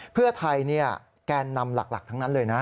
เพื่อไทยแกนนำหลักทั้งนั้นเลยนะ